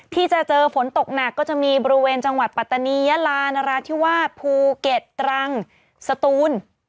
ที่จะเจอฝนตกหนักก็จะมีบริเวณจังหวัดปัตตานียาลานราธิวาสภูเก็ตตรังสตูน